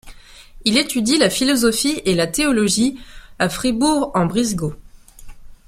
Il étudie la philosophie et la théologie à Fribourg-en-Brisgau.